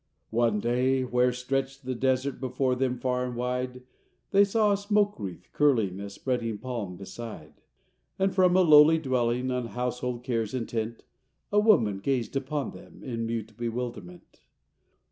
One day, where stretched the desert Before them far and wide, They saw a smoke wreath curling A spreading palm beside; And from a lowly dwelling, On household cares intent, A woman gazed upon them, In mute bewilderment.